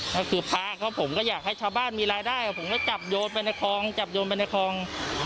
ก็คือพระก็ผมก็อยากให้ชาวบ้านมีรายได้ผมก็จับโยนไปในคลองจับโยนไปในคลอง